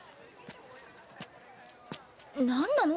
何なの？